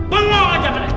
bengong aja baris